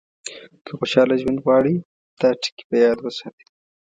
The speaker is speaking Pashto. که خوشاله ژوند غواړئ دا ټکي په یاد وساتئ.